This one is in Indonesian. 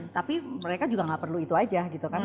tapi mereka juga nggak perlu itu aja gitu kan